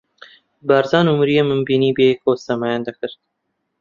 بارزان و مەریەمم بینی بەیەکەوە سەمایان دەکرد.